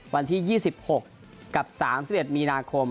วันที่๒๖กับ๓๑มีนาคม